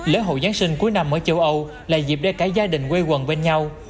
lễ hội giáng sinh cuối năm ở châu âu là dịp để cả gia đình quê quần bên nhau